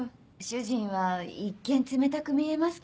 主人は一見冷たく見えます